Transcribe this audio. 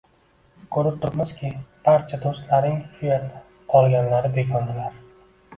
Koʻrib turibmizki, barcha doʻstlaring shuyerda, qolganlari begonalar.